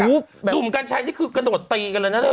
อุ๊บดุมกันชัยนี่คือกระโดดตีกันแล้วนั่น